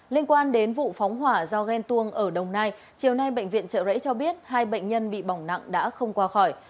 liên quan đến vụ phóng hỏa do ghen tuông ở đồng nai chiều nay bệnh viện trợ rẫy cho biết hai bệnh nhân bị bỏng nặng đã không qua khỏi